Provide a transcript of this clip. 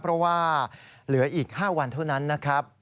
เพราะว่าเหลืออีก๕วันเท่านั้นนะครับ